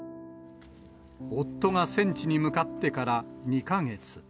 夫が戦地に向かってから２か月。